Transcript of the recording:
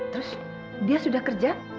terus dia sudah kerja